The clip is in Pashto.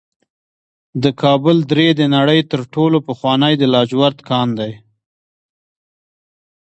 د کابل درې د نړۍ تر ټولو پخوانی د لاجورد کان دی